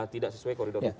tidak sesuai koridor hukum